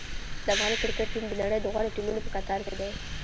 د افغان کرکټ ټیم د نړۍ د غوره ټیمونو په کتار کې دی.